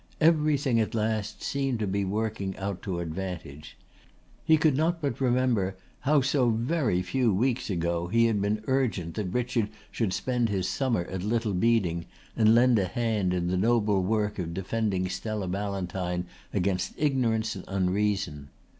Everything at last seemed to be working out to advantage. He could not but remember how so very few weeks ago he had been urgent that Richard should spend his summer at Little Beeding and lend a hand in the noble work of defending Stella Ballantyne against ignorance and unreason.